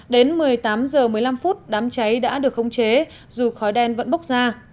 đến một mươi tám h một mươi năm phút đám cháy đã được khống chế dù khói đen vẫn bốc ra